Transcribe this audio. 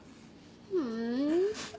ふん。